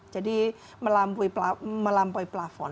jadi melampaui plafon